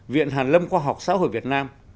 viện hàn lâm khoa học xã hội việt nam